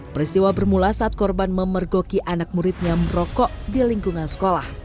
peristiwa bermula saat korban memergoki anak muridnya merokok di lingkungan sekolah